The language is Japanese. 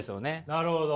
なるほど。